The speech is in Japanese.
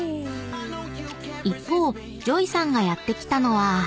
［一方ＪＯＹさんがやって来たのは］